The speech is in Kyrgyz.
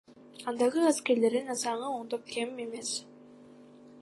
Андагы аскерлердин саны ондон кем эмес.